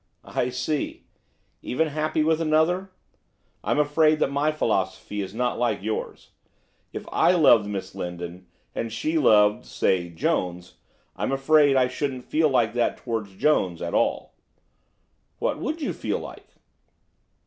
'I see. Even happy with another? I'm afraid that my philosophy is not like yours. If I loved Miss Lindon, and she loved, say, Jones, I'm afraid I shouldn't feel like that towards Jones at all.' 'What would you feel like?